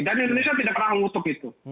dan indonesia tidak pernah mengutuk itu